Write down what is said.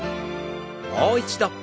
もう一度。